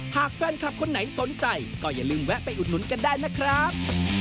หากแฟนคลับคนไหนสนใจก็อย่าลืมแวะไปอุดหนุนกันได้นะครับ